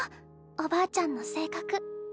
おばあちゃんの性格。